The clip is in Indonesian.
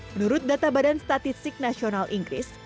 menurut data badan statistik nasional inggris